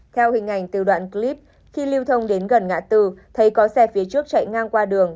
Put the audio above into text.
theo hình ảnh từ đoạn clip khi lưu thông đến gần ngã tư thấy có xe phía trước chạy ngang qua đường